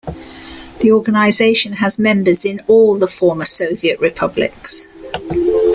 The organisation has members in all the former Soviet republics.